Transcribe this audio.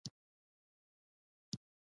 بلبلانو سندرې ویلې.